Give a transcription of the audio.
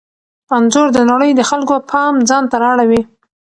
انځور د نړۍ د خلکو پام ځانته را اړوي.